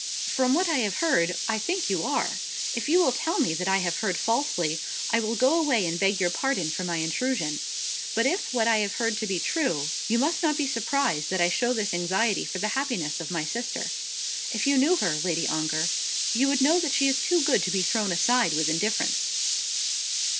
"From what I have heard, I think you are. If you will tell me that I have heard falsely, I will go away and beg your pardon for my intrusion. But if what I have heard be true, you must not be surprised that I show this anxiety for the happiness of my sister. If you knew her, Lady Ongar, you would know that she is too good to be thrown aside with indifference."